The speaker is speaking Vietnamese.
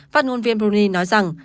phát ngôn viên bruni nói rằng